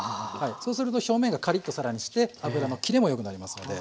そうすると表面がカリッと更にして油の切れも良くなりますので。